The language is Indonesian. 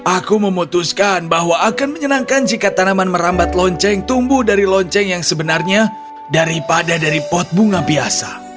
aku memutuskan bahwa akan menyenangkan jika tanaman merambat lonceng tumbuh dari lonceng yang sebenarnya daripada dari pot bunga biasa